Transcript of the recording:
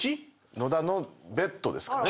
野田のベッドですかね。